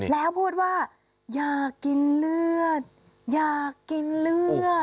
แล้วพูดว่าอยากกินเลือดอยากกินเลือด